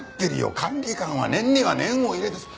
管理官は念には念を入れて。